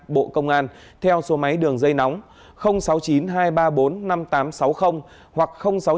bộ công an theo số máy đường dây nóng sáu mươi chín hai trăm ba mươi bốn năm nghìn tám trăm sáu mươi hoặc sáu mươi chín hai trăm ba mươi hai một nghìn sáu trăm sáu mươi